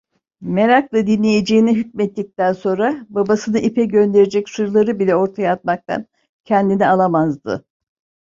Merakla dinleneceğine hükmettikten sonra, babasını ipe gönderecek sırları bile ortaya atmaktan kendini alamazdı.